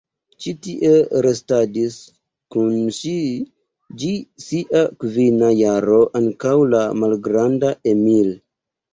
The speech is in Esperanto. Ĉi tie restadis kun ŝi ĝis sia kvina jaro ankaŭ la malgranda Emil.